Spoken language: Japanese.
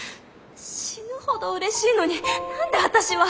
死ぬほどうれしいのに何で私は。